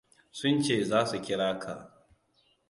Sun ce za su kira ka.